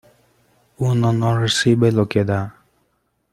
uno no recibe lo que da.